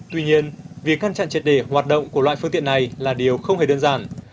tuy nhiên việc ngăn chặn triệt đề hoạt động của loại phương tiện này là điều không hề đơn giản